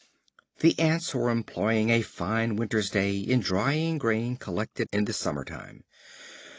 The Ants were employing a fine winter's day in drying grain collected in the summer time.